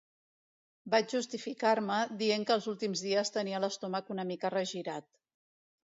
Vaig justificar-me dient que els últims dies tenia l'estómac una mica regirat.